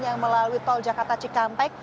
yang melalui tol jakarta cikampek